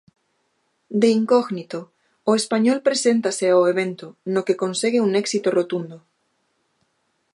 De incógnito, o español preséntase ao evento, no que consegue un éxito rotundo.